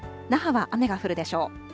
那覇は雨が降るでしょう。